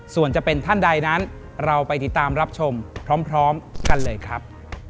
ส่วนจะเป็นท่านใดนั้นเราไปติดตามรับชมพร้อมกันเลยครับ